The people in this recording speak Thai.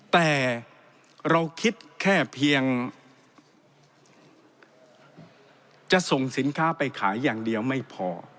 แต่เราคิดแค่เพียงจะส่งสินค้าไปขายอย่างเดียวไม่พอ